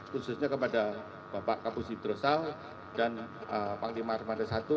khususnya kepada bapak kapol sidrosal dan pak timar mada i